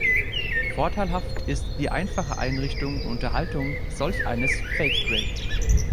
Vorteilhaft ist die einfache Einrichtung und Unterhaltung solch eines „fake grid“.